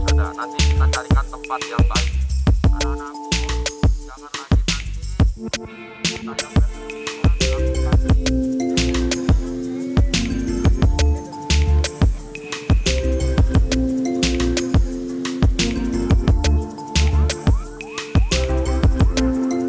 sudah nanti kita cari tempat yang yang baik kita utiliserita